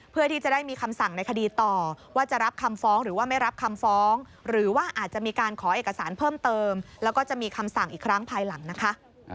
เพื่อที่จะได้มีคำสั่งในคดีต่อว่าจะรับคำฟ้องหรือว่าไม่รับคำฟ้องหรือว่าอาจจะมีการขอเอกสารเพิ่มเติมแล้วก็จะมีคำสั่งอีกครั้งภายหลังนะคะ